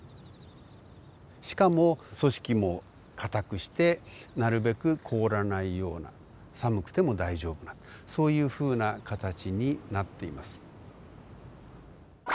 しかも組織も硬くしてなるべく凍らないような寒くても大丈夫なそういうふうな形になっています。